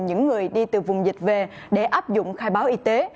những người đi từ vùng dịch về để áp dụng khai báo y tế